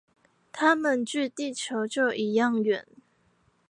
它們距地球就一樣遠